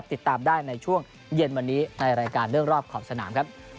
ติดตามได้ในช่วงเย็นวันนี้ในรายการเรื่องรอบขอบสนามครับ